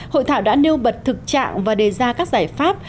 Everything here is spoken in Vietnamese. hội thảo đã nêu bật thực trạng và đề ra các giải pháp